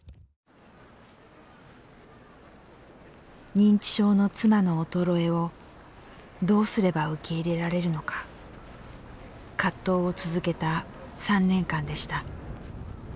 認知症の妻の衰えをどうすれば受け入れられるのか葛藤を続けた３年間でした。